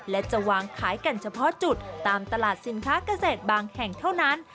และจะวางขายกันเฉพาะจุดตามตลาดสินค้าเกษตรบางแห่งเท่านั้น